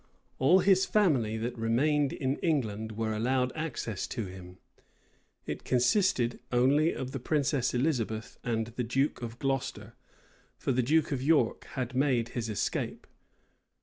All his family that remained in England were allowed access to him. It consisted only of the princess Elizabeth and the duke of Gloucester; for the duke of York had made his escape.